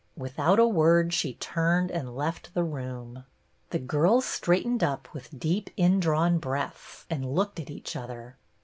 Without a word she turned and left the room. The girls straightened up with deep in drawn breaths, and looked at each other.